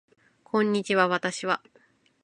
こんにちは私は